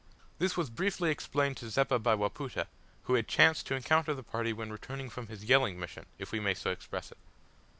This was briefly explained to Zeppa by Wapoota, who had chanced to encounter the party when returning from his yelling mission, if we may so express it.